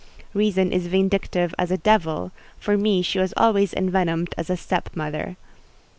Reason is vindictive as a devil: for me she was always envenomed as a step mother.